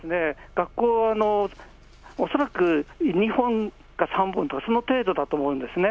学校、恐らく、２本か３本とか、その程度だと思うんですね。